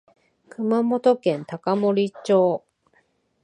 熊本県高森町